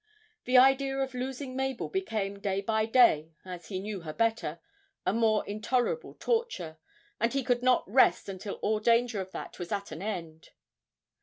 The idea of losing Mabel became day by day, as he knew her better, a more intolerable torture, and he could not rest until all danger of that was at an end.